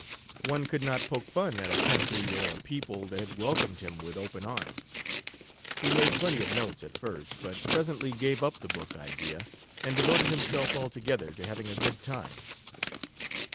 One could not poke fun at a country or a people that had welcomed him with open arms. He made plenty of notes, at first, but presently gave up the book idea and devoted himself altogether to having a good time.